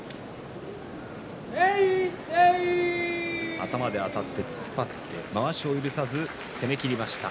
頭であたって突っ張ってまわしを許さず攻めきりました。